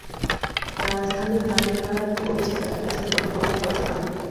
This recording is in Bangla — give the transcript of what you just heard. রাজধানীর বারিধারা ডিওএইচএস এলাকার একটি ডাস্টবিন থেকে অর্ধমৃত অবস্থায় পাওয়া যায় আদুরিকে।